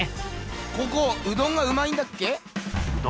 ここうどんがうまいんだっけ？